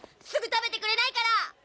すぐ食べてくれないから！